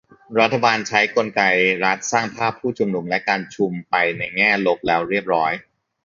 รัฐบาลใช้กลไกรัฐสร้างภาพผู้ชุมนุมและการชุมไปในแง่ลบแล้วเรียบร้อย